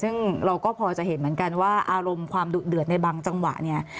ซึ่งเราก็พอจะเห็นเหมือนกันว่าอารมณ์ความดุเดือดในบางจังหวะเนี่ย